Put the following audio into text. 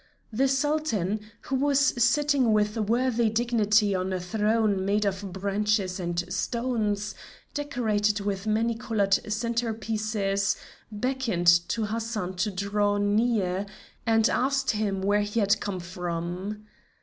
The Sultan, who was sitting with worthy dignity on a throne made of branches and stones, decorated with many colored centrepieces, beckoned to Hassan to draw near, and asked him where he had come from.